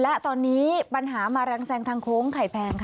และตอนนี้ปัญหามาแรงแซงทางโค้งไข่แพงค่ะ